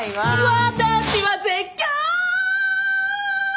「私は絶叫！」